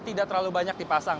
tidak terlalu banyak dipasang